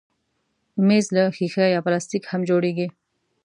مېز له ښيښه یا پلاستیک هم جوړېږي.